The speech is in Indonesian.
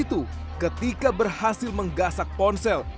tetapi ketika berhasil mengasak ponsel